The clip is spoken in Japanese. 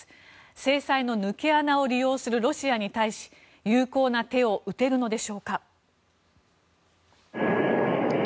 制裁の抜け穴を利用するロシアに対し有効な手を打てるのでしょうか？